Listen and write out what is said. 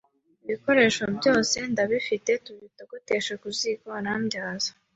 ibikoresho byose ndabifite tubitogotesha ku ziko arambyaza